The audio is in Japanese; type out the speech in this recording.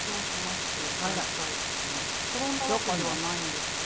転んだわけではないんですけど。